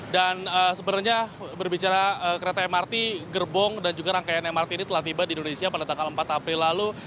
dan sebenarnya berbicara kereta mrt gerbong dan juga rangkaian mrt ini telah tiba di indonesia pada tanggal empat april lalu